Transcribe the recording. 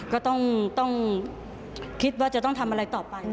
ก็ต้องคิดว่าจะต้องทำอะไรต่อไป